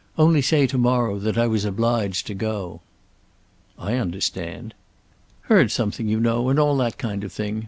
Only say to morrow that I was obliged to go." "I understand." "Heard something, you know, and all that kind of thing.